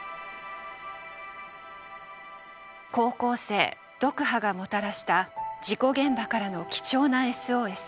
高校生ドクハがもたらした事故現場からの貴重なＳＯＳ。